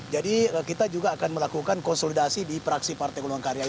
jadi kita juga akan melakukan konsolidasi di praksi partai golkaran